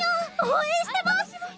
応援してます！